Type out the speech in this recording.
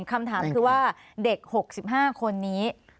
คำถามคือว่าเด็ก๖๕คนนี้